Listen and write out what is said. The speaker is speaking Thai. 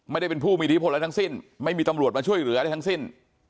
ไม่ได้เป็นผู้มีอิทธิพลอะไรทั้งสิ้นไม่มีตำรวจมาช่วยเหลืออะไรทั้งสิ้น